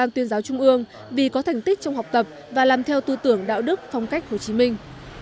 tuyên giáo trung ương vì có thành tích trong học tập và làm theo tư tưởng đạo đức phong cách hồ chí minh